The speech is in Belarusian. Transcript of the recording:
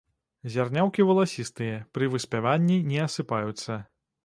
Зярняўкі валасістыя, пры выспяванні не асыпаюцца.